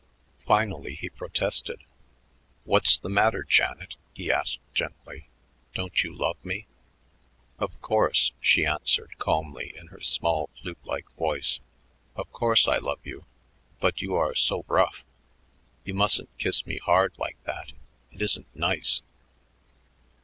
Finally he protested. "What's the matter, Janet?" he asked gently. "Don't you love me?" "Of course," she answered calmly in her small flute like voice; "of course I love you, but you are so rough. You mustn't kiss me hard like that; it isn't nice."